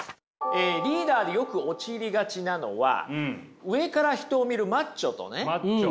リーダーでよく陥りがちなのは上から人を見るマッチョとね